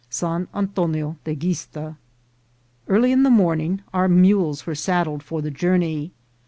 — San Antonio de Guista. EARLY in the morning our mules were saddled for the journey.